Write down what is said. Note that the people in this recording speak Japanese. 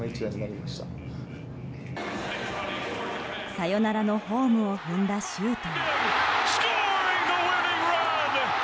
サヨナラのホームを踏んだ周東。